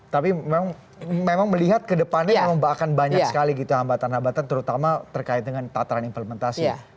tapi memang melihat kedepannya memang akan banyak sekali gitu hambatan hambatan terutama terkait dengan tataran implementasi